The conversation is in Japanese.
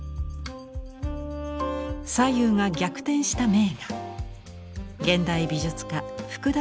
左右が逆転した名画現代美術家福田